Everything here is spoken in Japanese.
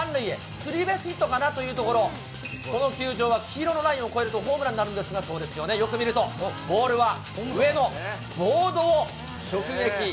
スリーベースヒットかなというところ、この球場は黄色のラインをこえるとホームランになるんですが、そうですよね、よく見ると、ボールは上のボードを直撃。